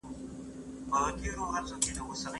زه ږغ نه اورم!